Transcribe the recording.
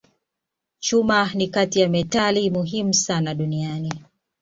Chuma ni kati ya metali muhimu sana duniani.